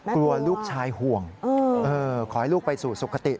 กลัวลูกชายห่วงขอให้ลูกไปสู่สุขติ